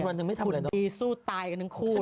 วันหนึ่งไม่ทำอะไรแล้วนะฮะหุ่นดีสู้ตายกันหนึ่งคู่เลย